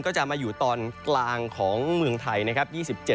จะมาอยู่ตอนกลางของเมืองไทยนะครับ